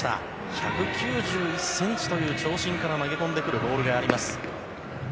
１９１ｃｍという長身から投げ込んでくるボールがあります。